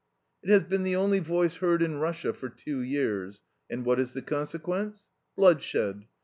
"It has been the only voice heard in Russia for two years, and what is the consequence? Bloodshed.